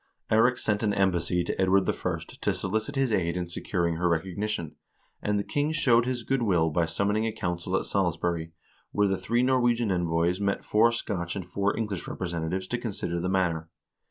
Eirik sent an embassy to Edward I. to solicit his aid in securing her recognition, and the king showed his good will by summoning a council at Salisbury, where the three Norwegian envoys met four Scotch and four English representatives to consider the matter.